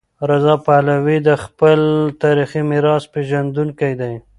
رضا پهلوي د خپل تاریخي میراث پیژندونکی دی.